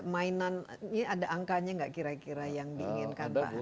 mainan ini ada angkanya nggak kira kira yang diinginkan pak